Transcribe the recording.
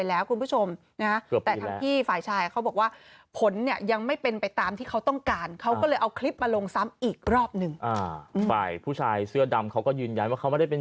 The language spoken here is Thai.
แล้วก็ไม่ได้อยู่กัน๒คนด้วยอยู่กับหลายคน